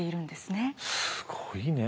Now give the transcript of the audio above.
すごいね。